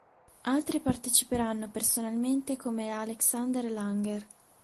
Altri parteciperanno personalmente come Alexander Langer.